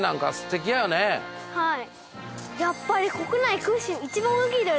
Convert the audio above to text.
はい。